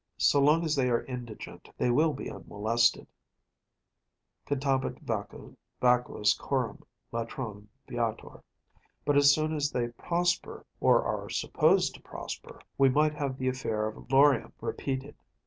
So long as they are indigent they will be unmolested‚ÄĒ_cantabit vacuus coram latrone viator_‚ÄĒbut as soon as they prosper, or are supposed to prosper, we might have the affair of Laurium repeated.